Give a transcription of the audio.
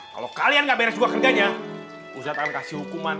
kalau kalian gak beres juga kerjanya ustaz akan kasih hukuman